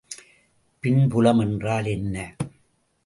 மின்புலம் என்றால் என்ன?